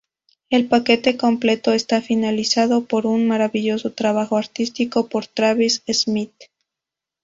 El paquete completo está finalizado por un maravilloso trabajo artístico por Travis Smith.